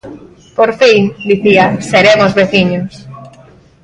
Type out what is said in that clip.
"Por fin", dicía, "seremos veciños".